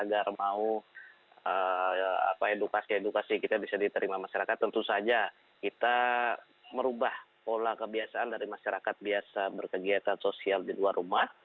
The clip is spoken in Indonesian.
agar mau edukasi edukasi kita bisa diterima masyarakat tentu saja kita merubah pola kebiasaan dari masyarakat biasa berkegiatan sosial di luar rumah